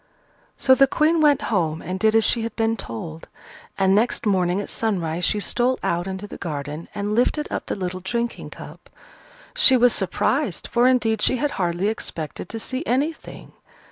So the Queen went home and did as she had been told: and next morning at sunrise she stole out into the garden and lifted up the little drinking cup. She was surprised, for indeed she had hardly expected to see anything.